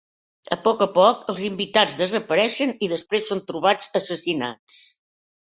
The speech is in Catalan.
A poc a poc els invitats desapareixen i després són trobats assassinats.